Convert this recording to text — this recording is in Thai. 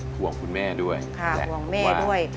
ห่วงคุณแม่ด้วยอยากกลับมาค่ะห่วงแม่ด้วย